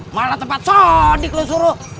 malah tempat sodik lu suruh